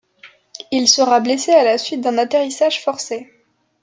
Il sera blessé à la suite d'un atterrissage forcé.